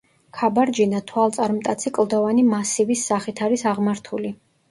ქაბარჯინა თვალწარმტაცი კლდოვანი მასივის სახით არის აღმართული.